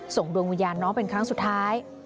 ส่งดวงวิญญาณน้องเป็นครั้งสุดท้าย